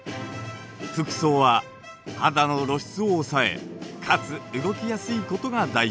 服装は肌の露出を抑えかつ動きやすいことが大事。